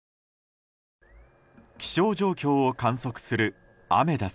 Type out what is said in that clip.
気象状況を観測するアメダス。